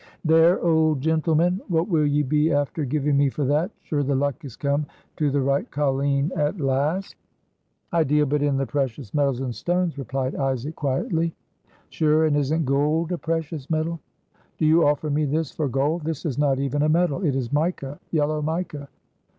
"There, ould gintleman, what will ye be after giving me for that? Sure the luck is come to the right colleen at last." "I deal but in the precious metals and stones," replied Isaac, quietly. "Sure, and isn't gould a precious metal?" "Do you offer me this for gold? This is not even a metal. It is mica yellow mica.